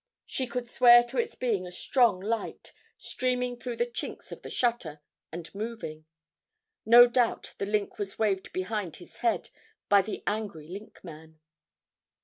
She could swear to its being a strong light, streaming through the chinks of the shutter, and moving. No doubt the link was waved about his head by the angry 'link man.'